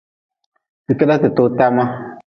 Ti keda ti too tama.